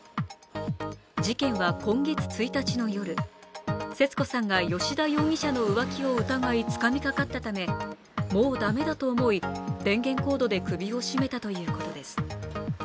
事件は今月１日の夜、節子さんが吉田容疑者の浮気を疑いつかみかかったため、もう駄目だと思い電源コードで首を絞めたということです。